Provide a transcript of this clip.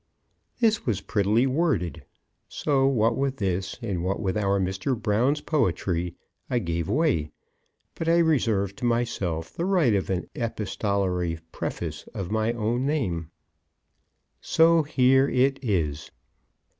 This was prettily worded; so what with this, and what with our Mr. Brown's poetry, I gave way; but I reserved to myself the right of an epistolary preface in my own name. So here it is.